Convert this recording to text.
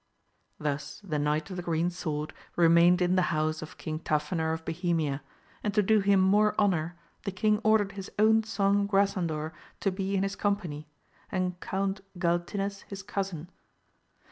Thus the Knight of the Green Sword remained in the house of King Tafinor of Bohemia, and to do him more honour the king ordered his own son Grasandor to be in his company and Count Galtines his cousin.